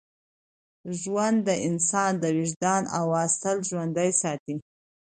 ژوند د انسان د وجدان اواز تل ژوندی ساتي.